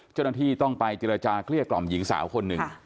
เจ้าหน้าที่ต้องไปเจรจาเกลี้ยกล่อมหญิงสาวคนหนึ่ง